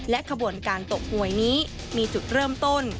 ขบวนการตกหวยนี้มีจุดเริ่มต้น